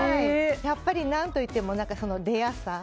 やっぱり何といってもレアさ。